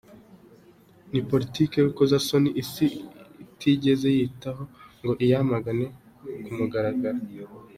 Ni politiki y’urukozasoni isi itigeze yitaho ngo iyamagane ku mugaragaro.